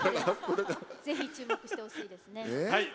ぜひ注目してほしいですね。